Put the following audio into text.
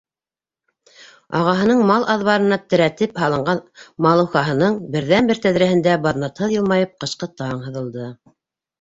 Ағаһының мал аҙбарҙарына терәтеп һалынған малухаһының берҙән-бер тәҙрәһендә баҙнатһыҙ йылмайып ҡышҡы таң һыҙылды.